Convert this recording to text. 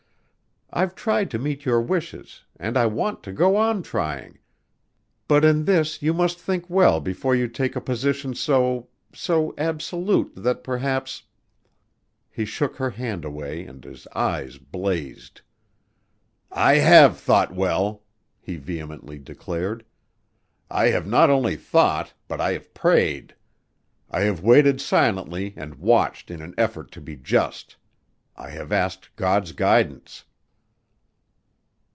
I've tried to meet your wishes and I want to go on trying, but in this you must think well before you take a position so so absolute that perhaps " He shook her hand away and his eyes blazed. "I have thought well," he vehemently declared. "I have not only thought, but I have prayed. I have waited silently and watched in an effort to be just. I have asked God's guidance."